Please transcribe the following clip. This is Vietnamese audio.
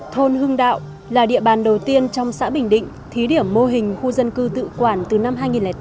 thôn hưng đạo là địa bàn đầu tiên trong xã bình định thí điểm mô hình khu dân cư tự quản từ năm hai nghìn tám